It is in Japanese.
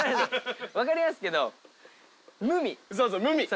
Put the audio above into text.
分かりますけど。